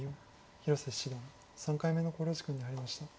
広瀬七段３回目の考慮時間に入りました。